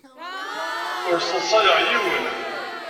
Ur sseḍsayeɣ yiwen.